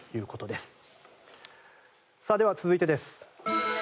では、続いてです。